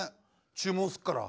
注文すっから。